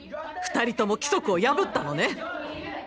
２人とも規則を破ったのね。